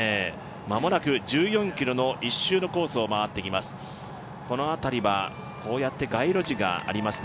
間もなく１４ｋｍの１周のコースを回ってきます。